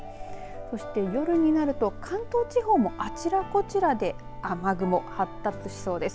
そして夜になると関東地方もあちらこちらで雨雲発達しそうです。